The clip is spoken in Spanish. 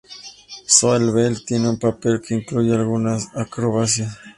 Zoë Bell tiene un papel, que incluye algunas acrobacias.